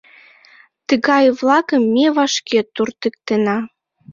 Тыгай-влакым ме вашке туртыктена.